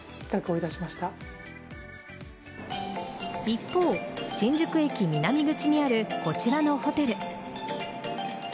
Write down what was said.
一方、新宿駅南口にあるこちらのホテル。